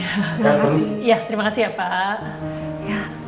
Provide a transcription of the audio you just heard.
ya terima kasih ya pak